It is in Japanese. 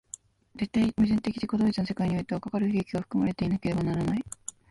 絶対矛盾的自己同一の世界においては、かかる契機が含まれていなければならない。